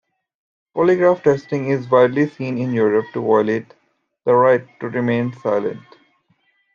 Polygraph testing is widely seen in Europe to violate the right to remain silent.